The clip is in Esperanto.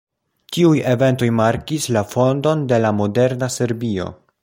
Tiuj eventoj markis la fondon de la moderna Serbio.